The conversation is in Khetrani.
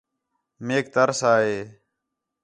میک ترس آ ہے